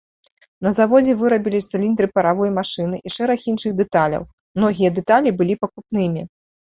На заводзе вырабілі цыліндры паравой машыны і шэраг іншых дэталяў, многія дэталі былі пакупнымі.